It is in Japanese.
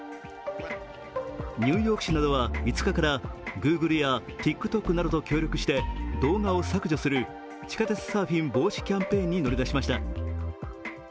ニューヨーク市などは５日からＧｏｏｇｌｅやＴｉｋＴｏｋなどと協力して動画を削除する地下鉄サーフィン防止キャンペーンに乗り出しました。